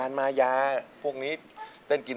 อายุ๒๔ปีวันนี้บุ๋มนะคะ